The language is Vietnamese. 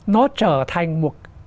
nó trở thành một